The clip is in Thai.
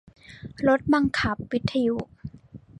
รถบังคับวิทยุ